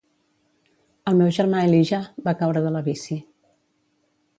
El meu germà Elijah va caure de la bici.